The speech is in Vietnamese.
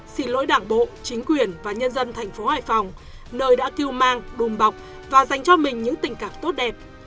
xin lỗi đảng bộ chính quyền và nhân dân tp hoài phòng nơi đã kêu mang đùm bọc và dành cho mình những tình cảm tốt đẹp